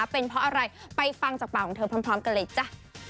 เป็นเพราะอะไรไปฟังจากปากของเธอพร้อมกันเลยจ้ะ